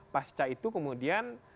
pasca itu kemudian